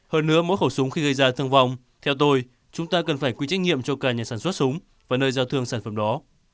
hơn nữa mỗi khẩu súng khi gây ra thương vong theo tôi chúng ta cần phải quy trách nhiệm cho cả nhà sản xuất súng và nơi giao thương sản phẩm đó